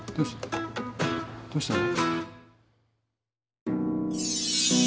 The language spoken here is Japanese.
どうしたの？